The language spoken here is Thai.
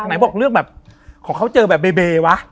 ไหนบอกเรื่องแบบของเขาเจอแบบเบวะ